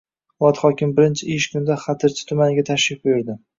Viloyat hokimi birinchi ish kunida Xatirchi tumaniga tashrif buyurding